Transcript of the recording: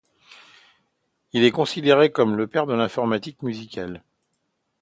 Il est considéré comme le père de l'informatique musicale.